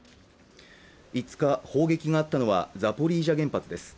５日、砲撃があったのはザポリージャ原発です